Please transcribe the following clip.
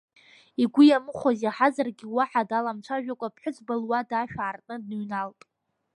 Игәы иамыхәоз иаҳазаргьы, уаҳа даламцәажәакәа аԥҳәызба луада ашә аартны дныҩналт.